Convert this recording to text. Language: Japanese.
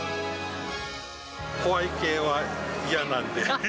怖い系は嫌なんで。